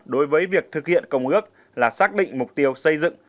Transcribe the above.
đối với việc thực hiện công ước là xác định mục tiêu xây dựng